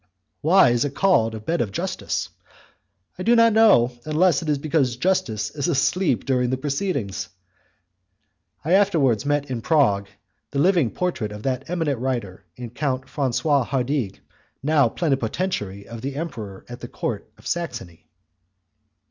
"Why is it called a bed of justice?" "I do not know, unless it is because justice is asleep during the proceedings." I afterwards met in Prague the living portrait of that eminent writer in Count Francois Hardig, now plenipotentiary of the emperor at the court of Saxony.